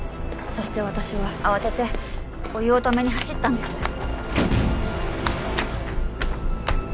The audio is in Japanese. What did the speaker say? そして私は慌ててお湯を止めに走ったんです